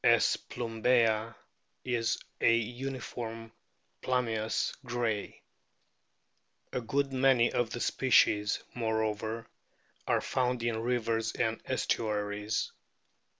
S. plumbea is a uniform plumbeous grey. A good many of the species, moreover, are found in rivers and estuaries.